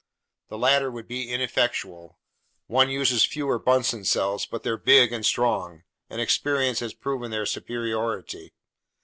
The latter would be ineffectual. One uses fewer Bunsen cells, but they're big and strong, and experience has proven their superiority.